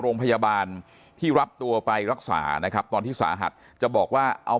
โรงพยาบาลที่รับตัวไปรักษานะครับตอนที่สาหัสจะบอกว่าเอา